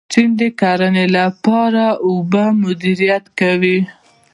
چین د کرنې لپاره اوبه مدیریت کوي.